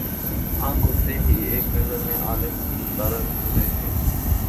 آنکھ اٹھتے ہی ایک نظر میں عالم سارا گزرے تھا